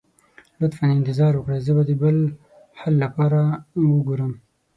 لطفا انتظار وکړئ، زه به د بل حل لپاره وګورم.